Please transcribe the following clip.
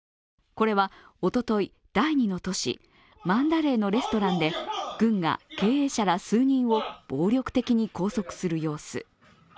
これはおととい、第２の都市、マンダレーのレストランで軍が経営者ら数人を暴力的に拘束する様子。